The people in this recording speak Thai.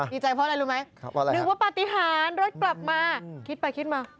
ดีใจเพราะอะไรรู้ไหมนึกว่าปฏิหารรถกลับมาคิดไปคิดมา